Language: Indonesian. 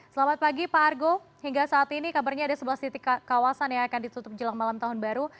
selamat pagi pak argo hingga saat ini kabarnya ada sebelas titik kawasan yang akan ditutup jelang malam tahun baru